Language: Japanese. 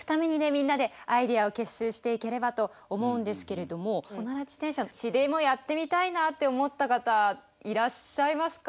みんなでアイデアを結集していければと思うんですけれどもおなら自転車うちでもやってみたいなって思った方いらっしゃいますか？